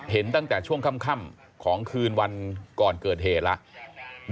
เห็นตั้งแต่ช่วงค่ำของคืนวันก่อนเกิดเหตุแล้ว